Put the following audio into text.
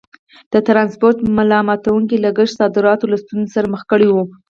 د ټرانسپورټ ملا ماتوونکي لګښت صادرات له ستونزو سره مخ کړي وو.